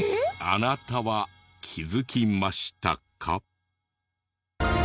あなたは気づきましたか？